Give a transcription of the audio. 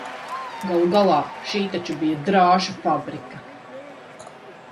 Galu galā, šī taču bija drāšu fabrika!